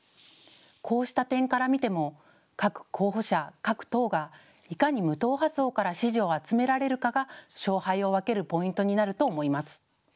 こうした点から見ても各候補者、各党がいかに無党派層から支持を集められるかが勝敗を分けるポイントになると思います。